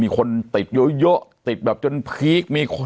มีคนติดเยอะติดแบบจนพลีกมีคน